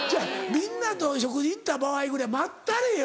みんなと食事行った場合ぐらい待ったれよ。